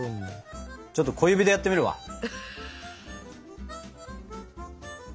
ちょっと小指でやってみるわ。